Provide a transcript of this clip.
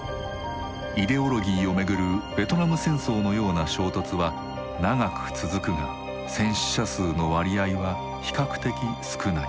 イデオロギーをめぐるベトナム戦争のような衝突は長く続くが戦死者数の割合は比較的少ない。